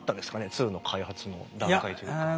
「２」の開発の段階というか。